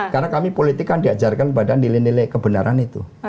karena kami politik kan diajarkan pada nilai nilai kebenaran itu